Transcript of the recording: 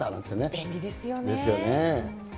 便利ですよね。